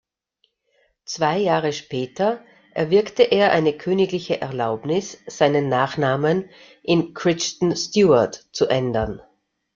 Zwei Jahre später erwirkte er eine königliche Erlaubnis, seinen Nachnamen in Crichton-Stuart zu ändern.